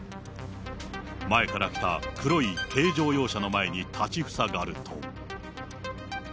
前から来た黒い軽乗用車の前に立ちふさがると。